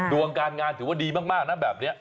ดวงการงานถือว่าดีมากนะแบบนี้